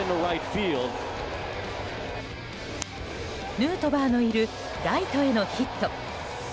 ヌートバーのいるライトへのヒット。